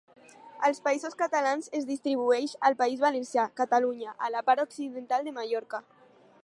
Als Països Catalans es distribueix al País Valencià, Catalunya i la part occidental de Mallorca.